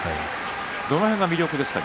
どの辺が魅力ですか？